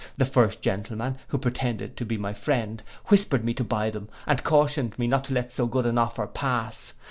The first gentleman, who pretended to be my friend, whispered me to buy them, and cautioned me not to let so good an offer pass.